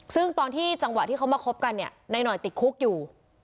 ซึ่งตอนที่จังหวะที่เขามาคบกันเนี่ยนายหน่อยติดคุกอยู่